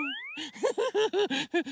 フフフフ。